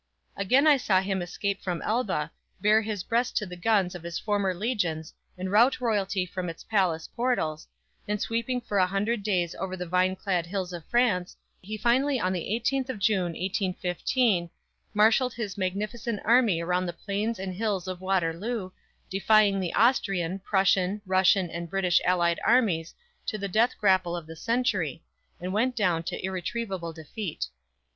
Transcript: Again I saw him escape from Elba, bare his breast to the guns of his former legions and rout royalty from its palace portals, and sweeping for a hundred days over the vineclad hills of France, he finally on the 18th of June, 1815, marshaled his magnificent army around the plains and hills of Waterloo, defying the Austrian, Prussian, Russian and British allied armies to the death grapple of the century, and went down to irretrievable defeat.